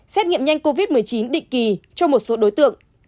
xét nghiệm nhanh covid một mươi chín định kỳ cho một số đối tượng